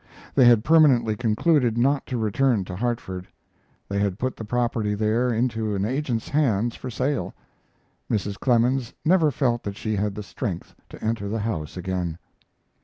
They had permanently concluded not to return to Hartford. They had put the property there into an agent's hands for sale. Mrs. Clemens never felt that she had the strength to enter the house again.